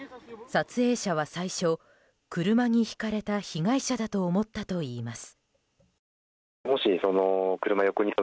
撮影者は最初、車にひかれた被害者だと思ったといいます。